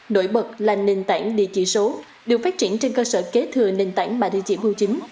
nổi bật là nền tảng địa chỉ số được phát triển trên cơ sở kế thừa nền tảng ba địa chỉ bưu chính